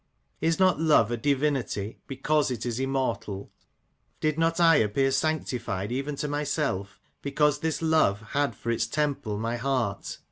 Is not love a divinity, because it is immortal ? Did not I appear sanctified, even to myself, because this love had for its temple my heart